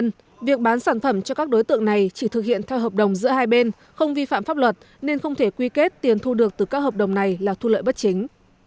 nhưng việc bán sản phẩm cho các đối tượng này chỉ thực hiện theo hợp đồng giữa hai bên không vi phạm pháp luật nên không thể quy kết tiền thu được từ các hợp đồng này là thu lợi bất chính